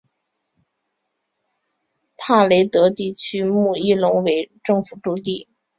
帕雷德地区穆伊隆为政府驻地。